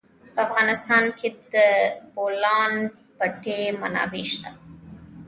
په افغانستان کې د د بولان پټي منابع شته.